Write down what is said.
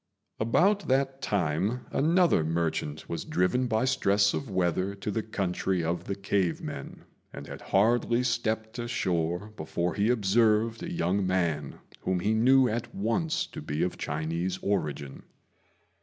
About that time another merchant was driven by stress of weather to the country of the cave men, and had hardly stepped ashore before he observed a young man whom he knew at once to be of Chinese origin.